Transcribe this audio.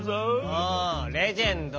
もうレジェンド。